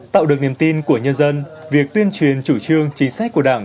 tạo được niềm tin của nhân dân việc tuyên truyền chủ trương chính sách của đảng